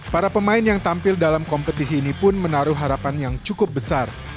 para pemain yang tampil dalam kompetisi ini pun menaruh harapan yang cukup besar